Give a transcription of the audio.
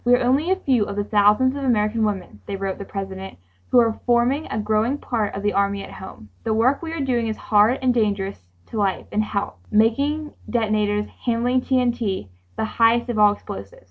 "We are only a few of the thousands of American women," they wrote the President, "who are forming a growing part of the army at home. The work we are doing is hard and dangerous to life and health, making detonators, handling TNT, the highest of all explosives.